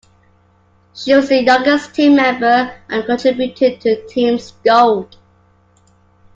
She was the youngest team member and contributed to the team's gold.